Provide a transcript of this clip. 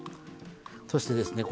そしてですね